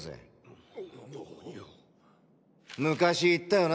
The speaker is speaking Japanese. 昔言ったよな？